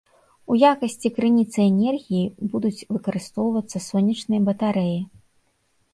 У якасці крыніцы энергіі будуць выкарыстоўвацца сонечныя батарэі.